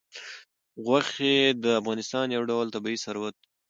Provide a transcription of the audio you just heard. غوښې د افغانستان یو ډول طبعي ثروت دی.